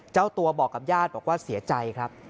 เจ้าตัวบอกกับญาติบอกว่าเสียใจครับ